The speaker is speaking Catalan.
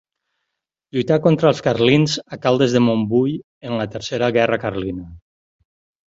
Lluità contra els carlins a Caldes de Montbui en la Tercera Guerra Carlina.